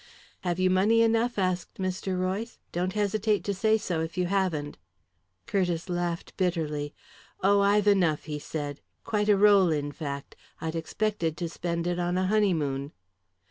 "Have you money enough?" asked Mr. Royce. "Don't hesitate to say so, if you haven't." Curtiss laughed bitterly. "Oh, I've enough!" he said. "Quite a roll, in fact. I'd expected to spend it on a honeymoon!"